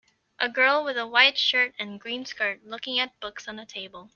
A girl with a white shirt and green skirt looking at books on a table.